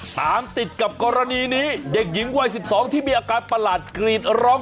ตามติดกับกรณีนี้เด็กหญิงวัย๑๒ที่มีอาการประหลาดกรีดร้อง